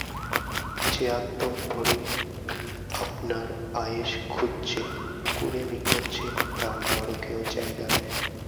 যে আত্মম্ভরি আপনার আয়েস খুঁজছে, কুঁড়েমি করছে, তার নরকেও জায়গা নাই।